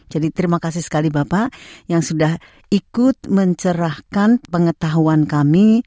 jadi terima kasih sekali bapak yang sudah ikut mencerahkan pengetahuan kami